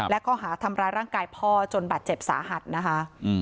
และข้อหาทำร้ายร่างกายพ่อจนบาดเจ็บสาหัสนะคะ